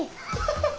ハハハ。